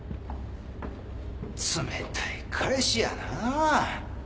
冷たい彼氏やなぁ。